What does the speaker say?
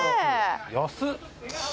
安っ。